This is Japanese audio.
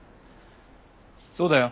そうだよ。